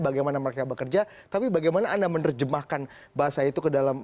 bagaimana mereka bekerja tapi bagaimana anda menerjemahkan bahasa itu ke dalam